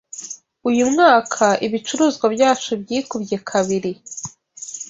Uyu mwaka ibicuruzwa byacu byikubye kabiri.